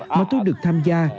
mà tôi được tham gia